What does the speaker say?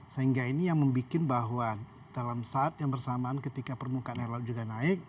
sehingga ini yang membuat bahwa dalam saat yang bersamaan ketika permukaan air laut juga naik